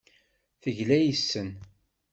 Tegla yes-sen.